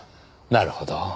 なるほど。